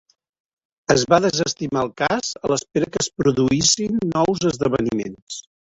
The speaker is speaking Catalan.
Es va desestimar el cas a l'espera que es produïssin nous esdeveniments.